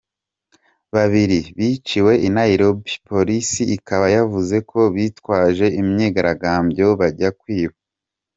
Babiri biciwe i Nairobi, polisi ikaba yavuze ko bitwaje imyigaragambyo bajya kwiba.